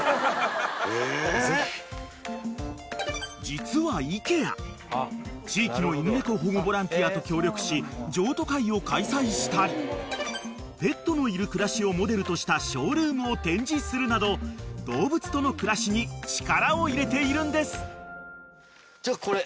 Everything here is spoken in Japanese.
［実はＩＫＥＡ地域の犬猫保護ボランティアと協力し譲渡会を開催したりペットのいる暮らしをモデルとしたショールームを展示するなど動物との暮らしに力を入れているんです］